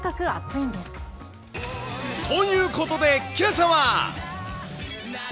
ということで、けさは。